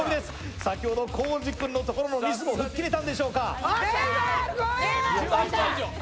先ほどコージくんのところ吹っ切れたんでしょうか。